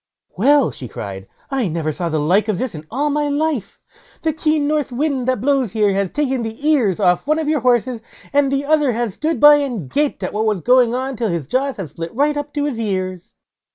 "Well!" she cried, "I never saw the like of this in all my life; the keen north wind that blows here has taken the ears off one of your horses, and the other has stood by and gaped at what was going on till his jaws have split right up to his ears."